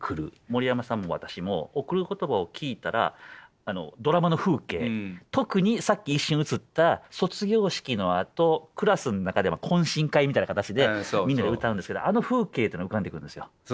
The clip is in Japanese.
森山さんも私も「贈る言葉」を聴いたらドラマの風景特にさっき一瞬映った卒業式のあとクラスの中で懇親会みたいな形でみんなで歌うんですけどあの風景というのが浮かんでくるんですよ。